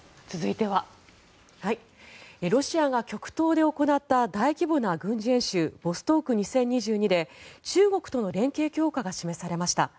ロシアが極東で行った大規模な軍事演習ボストーク２０２２で中国との連携強化が示されました。